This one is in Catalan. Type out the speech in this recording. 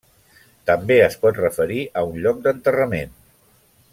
També es pot referir a un lloc d'enterrament.